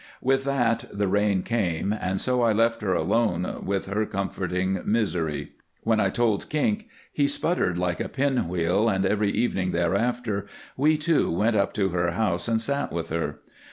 With that the rain came, and so I left her alone with her comforting misery. When I told Kink he sputtered like a pinwheel, and every evening thereafter we two went up to her house and sat with her.